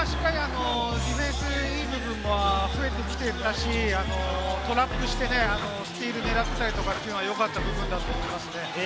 しっかりディフェンスいい部分も増えてきていたし、トラップして、スティール狙ったりとか、良かった部分だと思います。